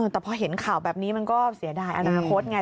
แต่พอเห็นข่าวแบบนี้มันก็เสียดายอนาคตไง